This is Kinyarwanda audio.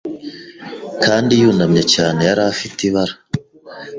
Kandi yunamye cyane yari afite ibara